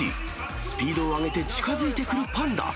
スピードを上げて近づいてくるパンダ。